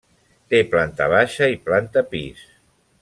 Té planta baixa i planta pis.